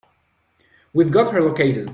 We've got her located.